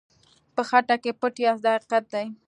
په خټه کې پټ یاست دا حقیقت دی.